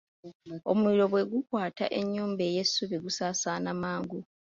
Omuliro bwe gukwata ennyumba ey'essubi, gusaasaana mangu.